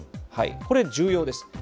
これ、重要です。